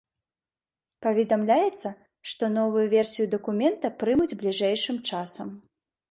Паведамляецца, што новую версію дакумента прымуць бліжэйшым часам.